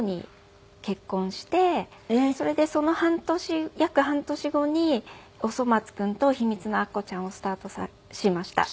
それでその半年約半年後に『おそ松くん』と『ひみつのアッコちゃん』をスタートしました。